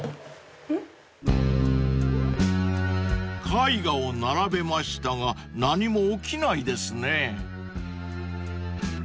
［絵画を並べましたが何も起きないですね］